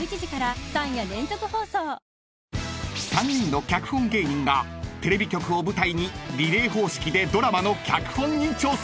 ［３人の脚本芸人がテレビ局を舞台にリレー方式でドラマの脚本に挑戦！］